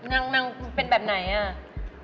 นางเป็นแบบไหนอ่ะ